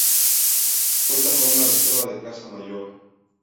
Cuenta con una reserva de caza mayor.